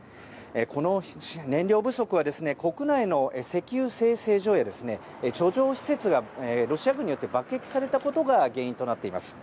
この燃料不足は国内の石油精製所や貯蔵施設がロシア軍によって爆撃されたことが原因です。